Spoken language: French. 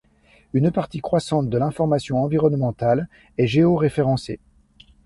Une partie croissante de l'information environnementale est géoréférencée.